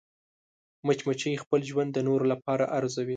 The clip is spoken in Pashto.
مچمچۍ خپل ژوند د نورو لپاره ارزوي